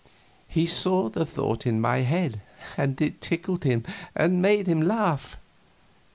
He saw the thought in my head, and it tickled him and made him laugh.